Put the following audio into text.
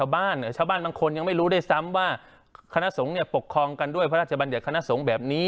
พาเนเขาต้องการให้ประเด็น